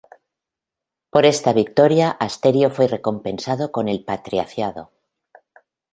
Por esta victoria, Asterio fue recompensado con el patriciado.